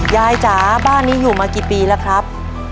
จ๋าบ้านนี้อยู่มากี่ปีแล้วครับ